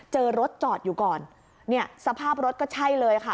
เจอรถจอดอยู่ก่อนเนี่ยสภาพรถก็ใช่เลยค่ะ